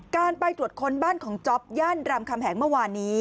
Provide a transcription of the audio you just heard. การไปตรวจค้นบ้านของจ๊อปย่านรามคำแหงเมื่อวานนี้